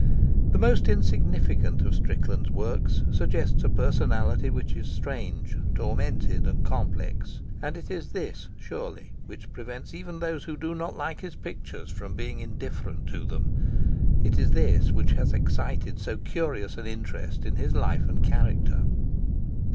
The most insignificant of Strickland's works suggests a personality which is strange, tormented, and complex; and it is this surely which prevents even those who do not like his pictures from being indifferent to them; it is this which has excited so curious an interest in his life and character.